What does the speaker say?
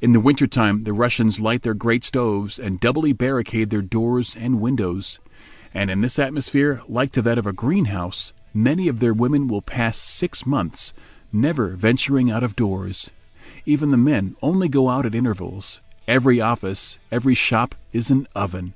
In the winter time the Russians light their great stoves, and doubly barricade their doors and windows; and in this atmosphere, like to that of a greenhouse, many of their women will pass six months, never venturing out of doors. Even the men only go out at intervals. Every office, every shop is an oven.